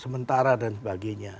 sementara dan sebagainya